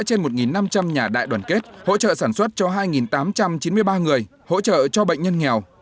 trên một năm trăm linh nhà đại đoàn kết hỗ trợ sản xuất cho hai tám trăm chín mươi ba người hỗ trợ cho bệnh nhân nghèo